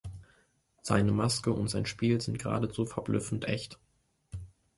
Seine Maske und sein Spiel sind geradezu verblüffend echt.